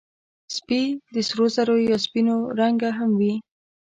سپي د سرو زرو یا سپینو رنګه هم وي.